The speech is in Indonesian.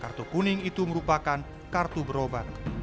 kartu kuning itu merupakan kartu berobat